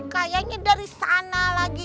kayaknya dari sana lagi